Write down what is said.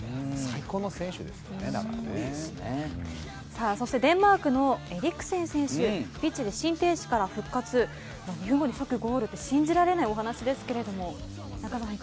さあそしてデンマークのエリクセン選手ピッチで心停止から復活２分後に即ゴールって信じられないお話ですけれども中澤さん